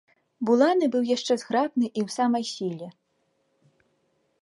Буланы быў яшчэ зграбны і ў самай сіле.